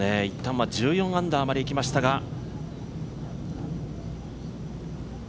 いったんは１４アンダーまでいきましたが。